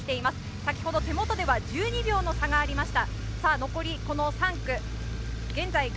先ほど手元では１２秒の差がありました。